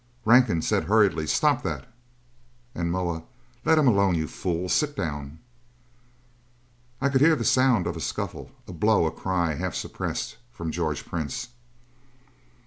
Rankin said hurriedly, "Stop that!" And Moa, "Let him alone, you fool! Sit down!" I could hear the sound of a scuffle. A blow a cry, half suppressed, from George Prince.